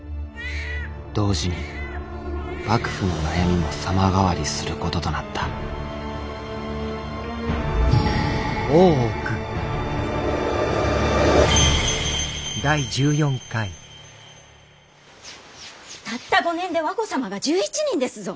同時に幕府の悩みも様変わりすることとなったたった５年で和子様が１１人ですぞ！